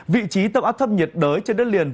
vị trí tâm áp thấp nhiệt đới trên đất liền